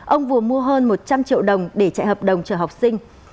ông vừa mua hơn một trăm linh triệu đồng để chạy hợp đồng chở học sinh